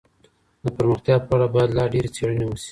د پرمختیا په اړه باید لا ډېرې څېړني وسي.